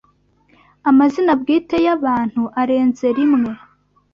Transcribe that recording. Amazina bwite y’abantu arenze rimwe